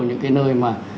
những cái nơi mà